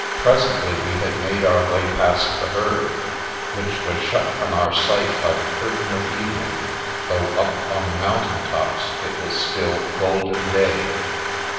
Presently we had made our way past the herd, which was shut from our sight by the curtain of evening, though up on the mountain tops it was still golden day.